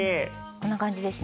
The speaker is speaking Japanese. こんな感じですね。